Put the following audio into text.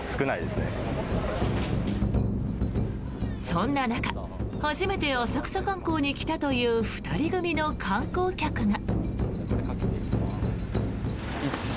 そんな中初めて浅草観光に来たという２人組の観光客が。